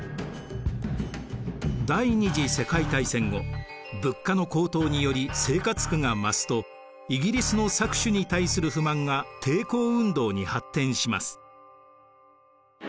第二次世界大戦後物価の高騰により生活苦が増すとイギリスの搾取に対する不満が抵抗運動に発展します。